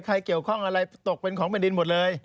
ใครเกี่ยวข้องอะไรตกเป็นของแผ่นดินหมดเลย